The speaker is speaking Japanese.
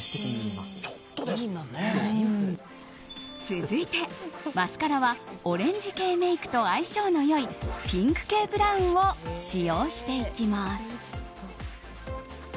続いて、マスカラはオレンジ系メイクと相性の良いピンク系ブラウンを使用していきます。